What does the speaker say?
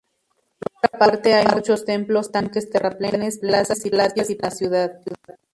Por otra parte, hay muchos templos, tanques, terraplenes, plazas y patios en la ciudad.